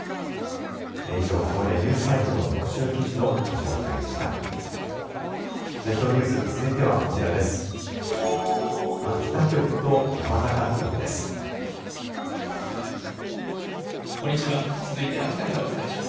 以上、ここまでニュースサイトの特集記事のご紹介でした。